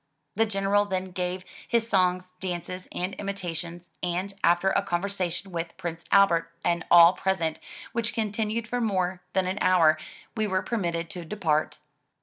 The General then gave his songs, dances and imitations, and, after a conversation with Prince Albert and all present, which continued for more than an hour, we were permitted to depart.